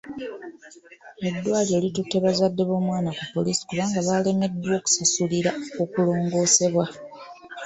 Eddwaliro litutte bazadde b'omwana ku poliisi kubanga baalemereddwa okusasulira okulongoosebwa.